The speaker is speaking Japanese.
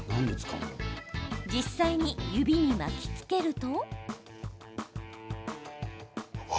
実際に、指に巻きつけると。